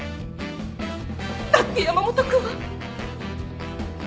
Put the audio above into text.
だって山本君は。